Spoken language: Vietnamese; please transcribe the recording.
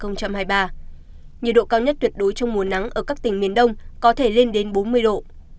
nhiệt độ cao nhất tuyệt đối trong mùa nắng ở các tỉnh miền đông có thể lên đến bốn mươi độ